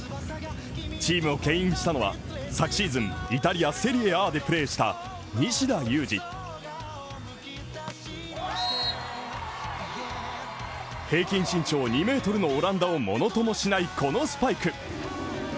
チームを牽引したのは昨シーズン、イタリアセリエＡでプレーした西田有志平均身長２ｍのオランダをものともしないこのスパイク